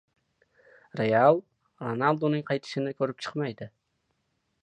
"Real" Ronalduning qaytishini ko‘rib chiqmaydi...